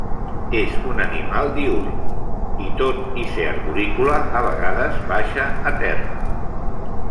És un animal diürn i, tot i ser arborícola, a vegades baixa a terra.